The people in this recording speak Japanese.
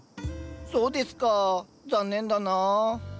そうですか残念だな。